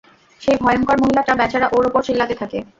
সেই ভয়ঙ্কর মহিলাটা বেচারা ওর উপর চিল্লাতে থাকে।